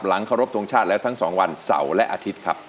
ขอรบทรงชาติแล้วทั้ง๒วันเสาร์และอาทิตย์ครับ